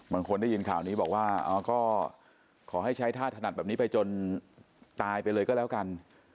บางคนได้ยินข่าวนี้บอกว่าก็ขอให้ใช้ท่าถนัดแบบนี้ไปจนตายไปเลยก็แล้วกัน